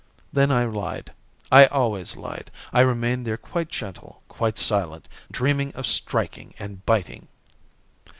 Then I lied, I always lied. I remained there quite gentle, quite silent, dreaming of striking and biting."